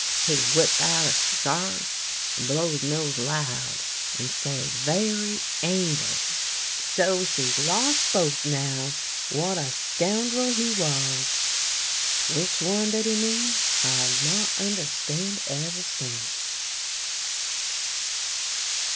He whip out a scarf, and blow his nose loud, and say very angry :* So, she's lost both now ! What a scoundrel he was !...' Which one did he mean? I not understand ever since."